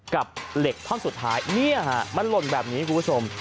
กับเหล็กท่อนสุดท้ายเนี่ยฮะมันหล่นแบบนี้คุณผู้ชม